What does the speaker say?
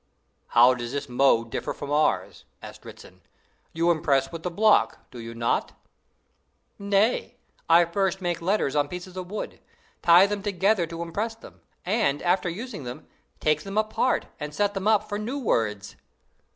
"How does this mode differ from ours?" asked Dritzhn. "You impress with the block, do you not?" "Nay; I first make letters on bits of wood, tie them together to impress with, and, after using them, take them apart, and set them up for new words."